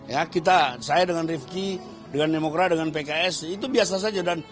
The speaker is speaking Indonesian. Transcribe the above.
ya kita saya dengan rifki dengan demokrat dengan pks itu biasa saja